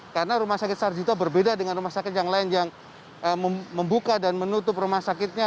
karena rumah sakit sarjito berbeda dengan rumah sakit yang lain yang membuka dan menutup rumah sakitnya